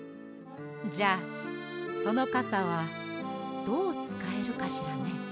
じゃあそのカサはどうつかえるかしらね。